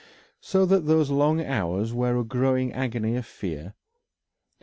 So that those long hours were a growing agony of fear.